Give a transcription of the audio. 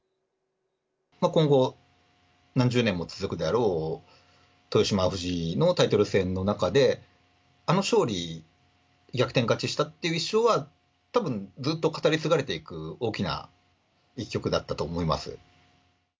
まあ、今後、何十年も続くであろう豊島・藤井のタイトル戦の中で、あの勝利、逆転勝ちしたっていう一勝はたぶんずっと語り継がれていく、大きな一局だったと思います。